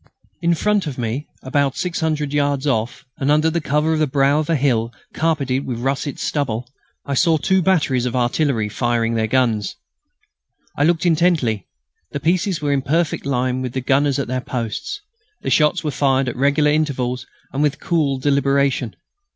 In front of me, about 600 yards off, and under cover of the brow of a hill carpeted with russet stubble, I saw two batteries of artillery, firing their guns. I looked intently. The pieces were in perfect line and the gunners at their posts. The shots were fired at regular intervals and with cool deliberation.